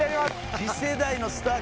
次世代のスター来たよ。